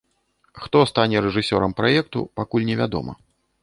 Хто стане рэжысёрам праекту, пакуль не вядома.